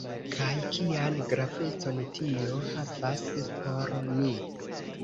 Kaj kian gravecon tio havas por ni?